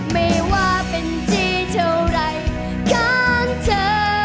ไม่ว่าเป็นที่เท่าไรของเธอ